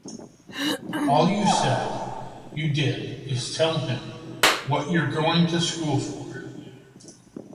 All you said you did is tell him what you're going to school for.